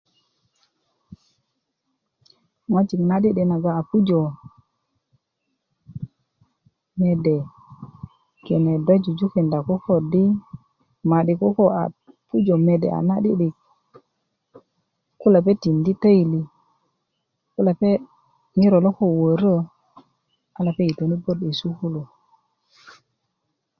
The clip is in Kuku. ŋojik na 'di'dik nagoŋ a pujö mede kine do jujukinda koko di ma'di koko a pujö mede a na 'di'dik ti lepeŋ tindi teili ti lepe ko ŋiro lo ko wörö a lepeŋ yitöni 'bot yi sukulu